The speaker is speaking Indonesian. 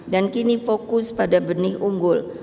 dan kini fokus pada benih unggul